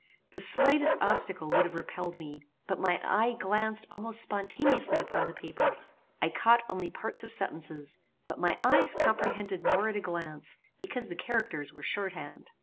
The slightest obstacle would have repelled me; but my eye glanced almost spontaneously upon the paper. I caught only parts of sentences; but my eyes comprehended more at a glance, because the characters were short hand.